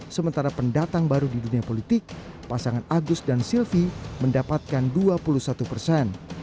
sementara pendatang baru di dunia politik pasangan agus dan silvi mendapatkan dua puluh satu persen